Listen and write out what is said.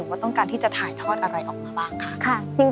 ว่าต้องการที่จะถ่ายทอดอะไรออกมาบ้างค่ะ